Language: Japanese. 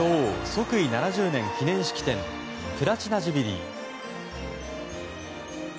即位７０年記念式典プラチナ・ジュビリー。